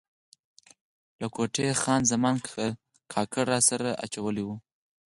له کوټې یې خان زمان کاکړ راسره اچولی و.